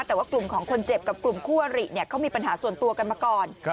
แต่ว่ากลุ่มของคนเจ็บกับกลุ่มคู่อริเขามีปัญหาส่วนตัวกันมาก่อน